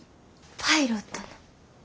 パイロットの。